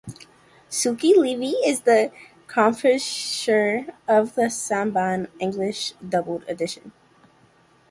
Shuki Levy is the composer for the Saban English-dubbed edition.